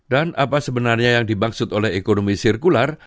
dan apa sebenarnya yang dimaksud oleh ekonomi sirkular